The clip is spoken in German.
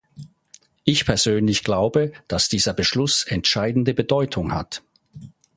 Ich persönlich glaube, dass dieser Beschluss entscheidende Bedeutung hat.